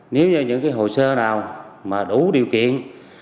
nếu như những hồ sơ nào đủ điều kiện